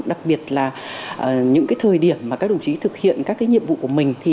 đặc biệt là những thời điểm mà các đồng chí thực hiện các nhiệm vụ của mình